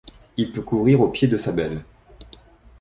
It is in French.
Il peut courir aux pieds de sa belle.